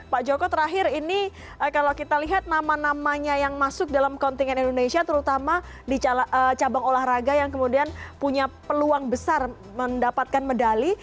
pak joko terakhir ini kalau kita lihat nama namanya yang masuk dalam kontingen indonesia terutama di cabang olahraga yang kemudian punya peluang besar mendapatkan medali